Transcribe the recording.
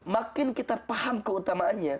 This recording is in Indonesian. makin kita paham keutamaannya